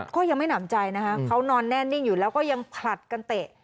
ก็ยังไม่หนำใจนะคะเขานอนแน่นิ่งอยู่แล้วก็ยังผลัดกันเตะ